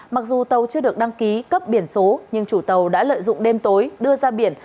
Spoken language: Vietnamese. mặc dù tàu chưa được đăng ký cấp biển số nhưng chủ tàu đã lợi dụng đêm tối đưa ra biển